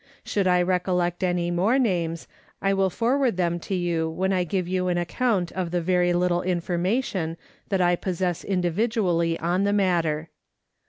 Should I recollect any more names, I .will forward them to you when I give you an account of the very little information that I possess individually on the matter.